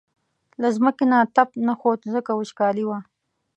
له ځمکې نه تپ نه خوت ځکه وچکالي وه.